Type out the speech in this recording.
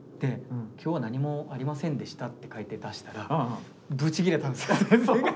「今日は何もありませんでした」って書いて出したらブチギレたんですよ先生が。